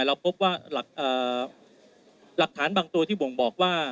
เราพบว่าหลักฐานบางตัวที่บ่งบอกว่า